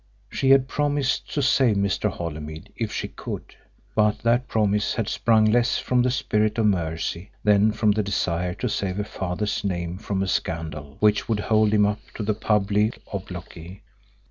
She had promised to save Mr. Holymead if she could, but that promise had sprung less from the spirit of mercy than from the desire to save her father's name from a scandal, which would hold him up to public obloquy.